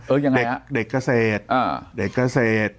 เอ๋อยังไงฮะเด็กเกษตรเด็กเกษตร